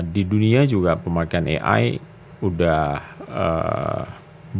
di dunia juga pemakaian ai udah eee